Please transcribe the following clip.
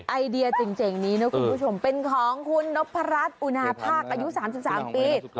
ไอเดียเจ๋งนี้นะคุณผู้ชมเป็นของคุณนพรัชอุณาภาคอายุ๓๓ปี